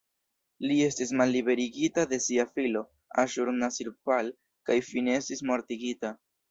Li estis malliberigita de sia filo "Aŝur-nasir-pal" kaj fine estis mortigita.